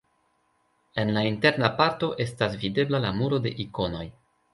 En la interna parto esta videbla la muro de ikonoj.